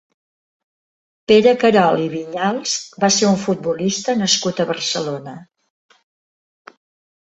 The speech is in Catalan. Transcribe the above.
Pere Querol i Vinyals va ser un futbolista nascut a Barcelona.